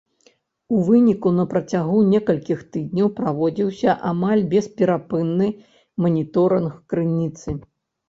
У выніку на працягу некалькіх тыдняў праводзіўся амаль бесперапынны маніторынг крыніцы.